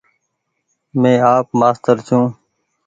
مين آپ مآستر ڇون ۔